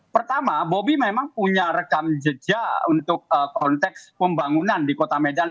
pertama bobi memang punya rekam jejak untuk konteks pembangunan di kota medan